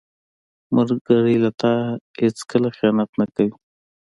ملګری له تا سره هیڅکله خیانت نه کوي